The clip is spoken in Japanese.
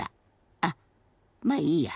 あっまあいいや。